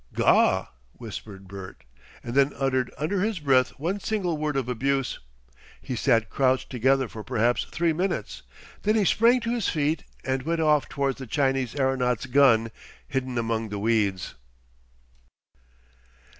"Gaw!" whispered Bert, and then uttered under his breath one single word of abuse. He sat crouched together for perhaps three minutes, then he sprang to his feet and went off towards the Chinese aeronaut's gun hidden among the weeds.